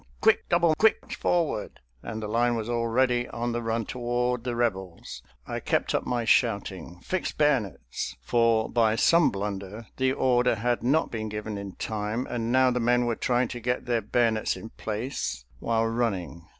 quick! double quick! forward!" and the line was already on the run toward the Rebels. I kept up my shouting, "Fix bayonets!" for by some blunder the order had not been given in time, and now the men were trying to get their bayonets in place while running.